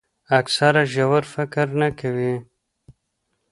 اکثره ژور فکر نه کوي.